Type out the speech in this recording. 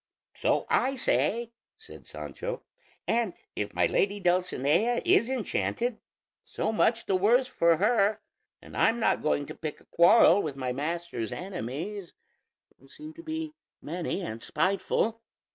"So I say," said Sancho; "and if my lady Dulcinea is enchanted, so much the worse for her, and I'm not going to pick a quarrel with my master's enemies, who seem to be many and spiteful.